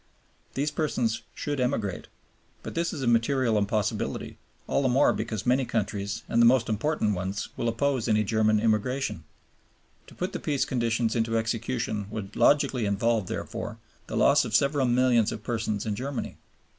These persons should emigrate, but this is a material impossibility, all the more because many countries and the most important ones will oppose any German immigration. To put the Peace conditions into execution would logically involve, therefore, the loss of several millions of persons in Germany.